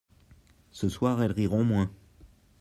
Ce soir elles riront moins.